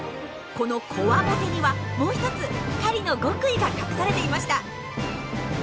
このこわもてにはもう一つ狩りの極意が隠されていました。